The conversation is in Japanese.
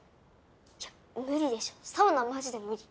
いや無理でしょサウナマジで無理。